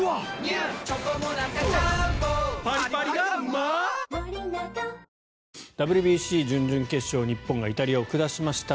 午後の紅茶おいしい無糖ＷＢＣ準々決勝日本がイタリアを下しました。